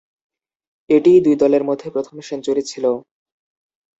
এটিই দুই দলের মধ্যে প্রথম সেঞ্চুরি ছিল।